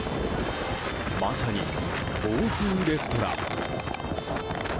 まさに、暴風レストラン。